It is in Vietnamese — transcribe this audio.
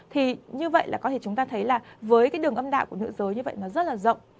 thì như vậy là có thể chúng ta thấy là với cái đường âm đạo của nữ giới như vậy nó rất là rộng